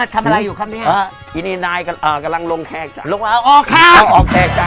ทำอะไรอยู่ครับเนี่ยอันนี้นายกำลังลงแขกจ้ะ